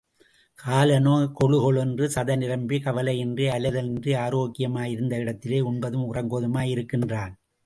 காலனோ கொழு கொழென்று சதை நிரம்பி, கவலையின்றி அலைதலின்றி, ஆரோக்கியமாய் இருந்த இடத்திலேயே உண்பதும், உறங்குவதுமாய் இருக்கின்றான்.